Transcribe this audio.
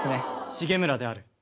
「重村である」